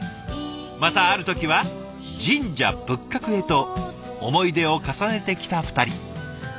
またある時は神社仏閣へと思い出を重ねてきた２人。